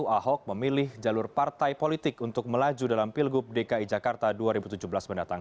ahok memilih jalur partai politik untuk melaju dalam pilgub dki jakarta dua ribu tujuh belas mendatang